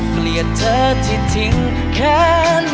เกลียดเธอที่ทิ้งแค้น